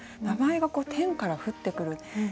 名前が天から降ってくる。